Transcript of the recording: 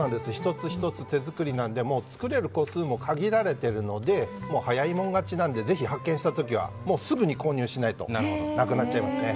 １つ１つ手作りなので作れる個数も限られてるので早い者勝ちなのでぜひ発見した時はすぐに購入しないとなくなっちゃいますね。